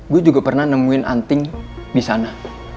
gue juga pernah nemuin anting disana